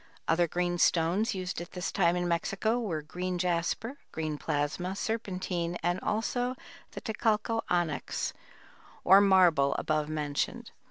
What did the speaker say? Other green stones used at this time in Mexico were green jasper, green plasma, serpentine and also the "Tecalco onyx" or "marble" above mentioned.